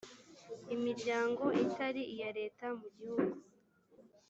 imiryango itari iya leta mu gihugu